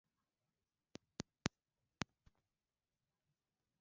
Ndama huambukizwa ugonjwa wa kuhara kwa kula chakula chenye vimelea vya ugonjwa